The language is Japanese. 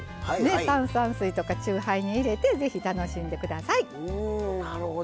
炭酸水とかチューハイに入れてぜひ楽しんでください。